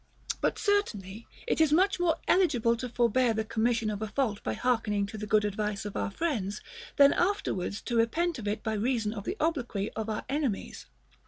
Bnt certainly it is much more eligible to forbear the commission of a fault by hearkening to the good advice of our friends, than afterwards to repent of it by reason of the obloquy of our enemies.